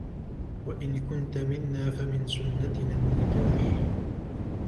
وَإِنْ كُنْت مِنَّا فَمِنْ سُنَّتِنَا النِّكَاحُ